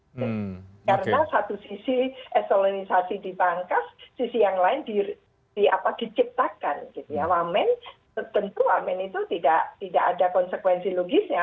wamen tentu wamen itu tidak ada konsekuensi logisnya